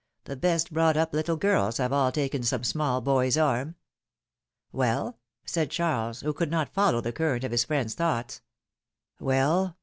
The best brought up little girls have all taken some small boy^s arm ! Well said Charles, who could not follow the current of his friend's thoughts. Well